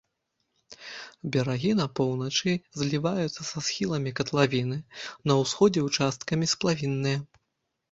Берагі на поўначы зліваюцца са схіламі катлавіны, на ўсходзе участкамі сплавінныя.